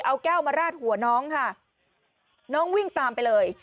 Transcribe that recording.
เอาแก้วมาราดหัวน้องค่ะน้องวิ่งตามไปเลย